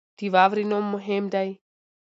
د واورې نوم مهم دی.